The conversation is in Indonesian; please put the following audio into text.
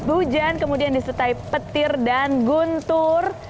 hujan kemudian disertai petir dan guntur